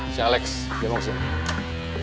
si alex dia mau kesini